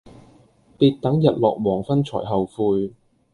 別等日落黃昏才後悔